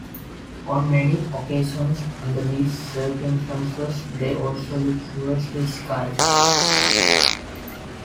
On many occasions under these circumstances, they also look towards the sky.